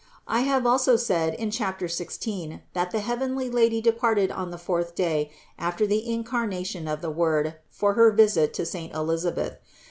I have also said in chapter sixteen that the heavenly Lady de parted on the fourth day after the incarnation of the Word for her visit to saint Elisabeth.